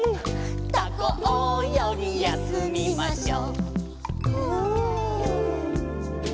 「タコおよぎやすみましょうフ」